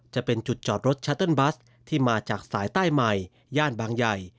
จะเป็นจุดจอดรถชัตเติ้ลบัสที่มาจากสายใต้ใหม่ย่านบางใหญ่